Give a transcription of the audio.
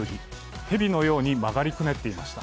蛇のように曲がりくねっていました。